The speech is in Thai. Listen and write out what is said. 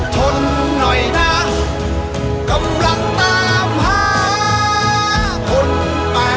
ทนหน่อยนะกำลังตามหาคนไป